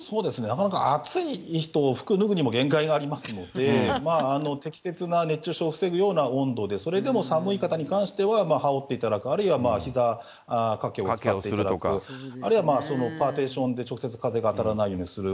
なかなか暑い人は服脱ぐにも限界がありますので、適切な熱中症を防ぐような温度で、それでも寒い方に関しては羽織っていただく、あるいはひざ掛けをかけていただく、あるいはパーテーションで直接風が当たらないようにする。